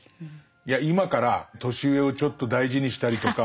いや今から年上をちょっと大事にしたりとか。